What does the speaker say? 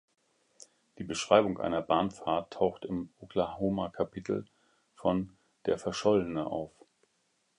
Die Beschreibung einer Bahnfahrt taucht im Oklahoma-Kapitel von "Der Verschollene" auf.